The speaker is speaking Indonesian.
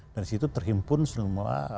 dari situ terhimpun semua